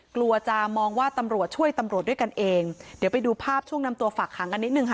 กลัวจะมองว่าตำรวจช่วยตำรวจด้วยกันเองเดี๋ยวไปดูภาพช่วงนำตัวฝากหางกันนิดนึงค่ะ